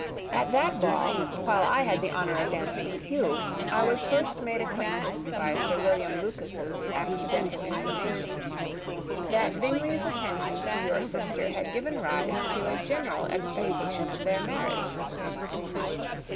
At that ball, while I had the honour of dancing with you, I was first made acquainted, by Sir William Lucas's accidental information, that Bingley's attentions to your sister had given rise to a general expectation of their marriage.